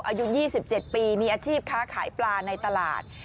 อายุ๒๗ปีมีอาชีพค้าขายปลาในตลาด